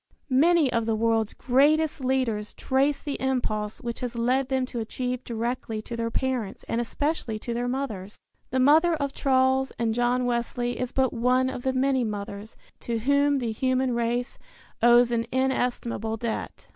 Many of the world's greatest leaders trace the impulse which has led them to achieve directly to their parents and especially to their mothers. The mother of Charles and John Wesley is but one of the many mothers to whom the human race owes an inestimable debt.